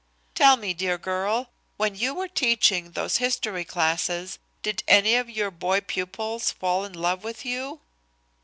"Tell me, dear girl, when you were teaching those history classes, did any of your boy pupils fall in love with you?"